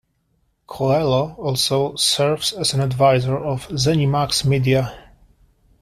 Coelho also serves as an advisor of ZeniMax Media.